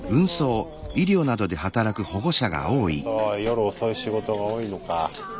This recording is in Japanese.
なるへそ夜遅い仕事が多いのか。